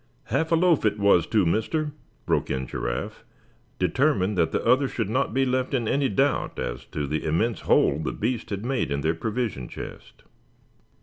"Half a loaf it was too, mister!" broke in Giraffe, determined that the other should not be left in any doubt as to the immense hole the beast had made in their provision chest.